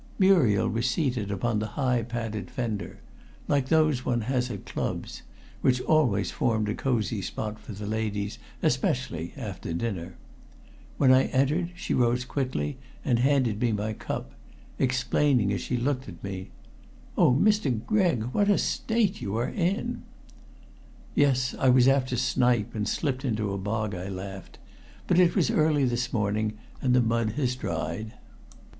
Muriel was seated upon the high padded fender like those one has at clubs which always formed a cosy spot for the ladies, especially after dinner. When I entered, she rose quickly and handed me my cup, exclaiming as she looked at me "Oh, Mr. Gregg! what a state you are in!" "Yes, I was after snipe, and slipped into a bog," I laughed. "But it was early this morning, and the mud has dried."